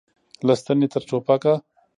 له ستنې تر ټوپکه.